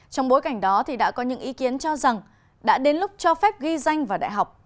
trong bối cảnh đó đã có những ý kiến cho rằng đã đến lúc cho phép ghi danh vào đại học